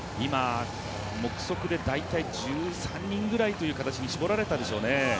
目測で大体１３人ぐらいという形に絞られたでしょうね。